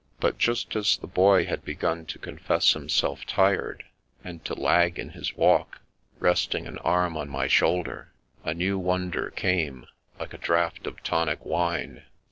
But just as the Boy had begun to confess himself tired, and to lag in his walk, resting an arm on my shoulder, a new wonder came, like a draught of tonic wine.